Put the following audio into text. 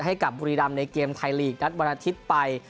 ให้กับบุรีดำในเกมไทยลีกรัฐบรรทิตย์ไป